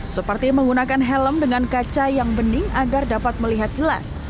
seperti menggunakan helm dengan kaca yang bening agar dapat melihat jelas